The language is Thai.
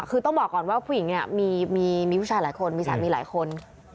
คือต้องบอกก่อนว่าผู้หญิงเนี่ยมีผู้ชายหลายคนมีสามีหลายคน